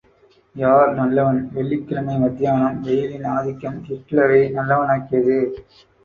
யார் நல்லவன் வெள்ளிக்கிழமை மத்தியானம் வெயிலின் ஆதிக்கம் ஹிட்லரை நல்லவனாக்கியது.